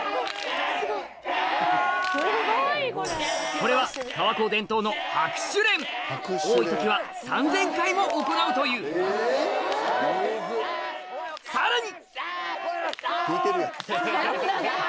これは川高伝統の多い時は３０００回も行うというさらに！